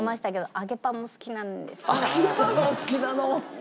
揚げパンもお好きなの。